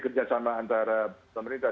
kerjasama antara pemerintah